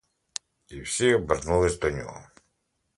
І всі обернулись до нього.